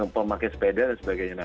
pemakai sepeda dan sebagainya